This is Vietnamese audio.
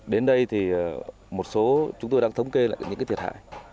đến đây chúng tôi đang thống kê lại những thiệt hại